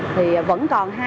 thì vẫn còn hai hộ dân